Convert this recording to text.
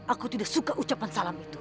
aku tidak suka ucapan salam itu